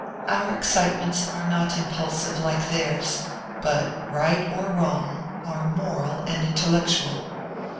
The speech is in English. Our excitements are not impulsive, like theirs, but, right or wrong, are moral and intellectual.